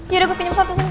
yaudah gue pinjam foto sini